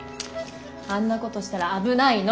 あんなことしたら危ないの。